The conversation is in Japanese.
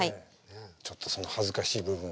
ちょっとその恥ずかしい部分を。